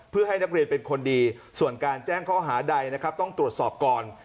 เพื่อให้นักเรียนเป็นคนดีส่วนการแจ้งข้อหาใดนะครับต้องตรวจสอบก่อน